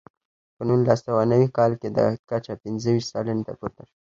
په نولس سوه نوي کال کې دا کچه پنځه ویشت سلنې ته پورته شوه.